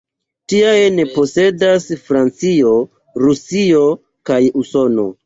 Tiajn posedas Francio, Rusio kaj Usono.